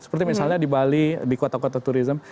seperti misalnya di bali di kuota kuota turisme